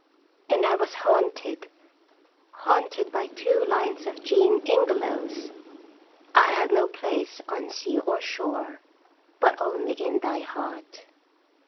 And I was haunted haunted by two lines of Jean Ingelow's "I have no place on sea or shore, But only in thy heart."